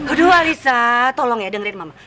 aduh alisa tolong ya dengerin mama